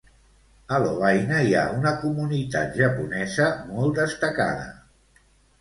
A Lovaina hi ha una comunitat japonesa molt destacada.